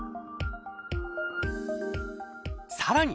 さらに